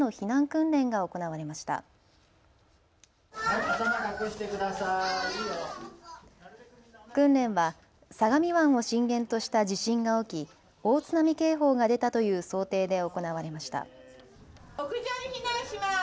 訓練は相模湾を震源とした地震が起き、大津波警報が出たという想定で行われました。